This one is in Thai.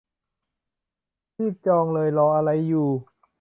รีบจองเลยรออะไรอยู่